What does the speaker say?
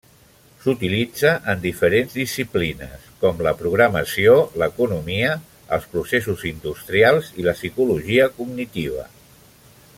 S'utilitza en diferents disciplines com la programació, l'economia, els processos industrials i la psicologia cognitiva.